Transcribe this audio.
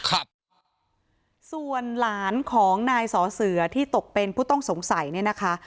ครับส่วนหลานของนายสอเสือที่ตกเป็นผู้ต้องสงสัยเนี่ยนะคะ